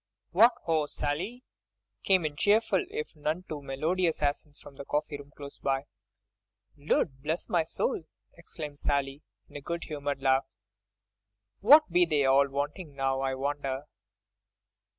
"What ho! Sally!" came in cheerful if none too melodious accents from the coffee room close by. "Lud bless my soul!" exclaimed Sally, with a good humoured laugh, "what be they all wanting now, I wonder!"